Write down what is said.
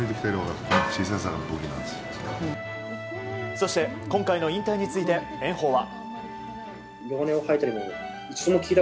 そして、今回の引退について炎鵬は。